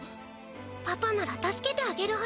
パパなら助けてあげるはずよ。